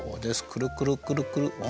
くるくるくるくる。